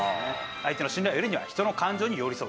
相手の信頼を得るには人の感情に寄り添う。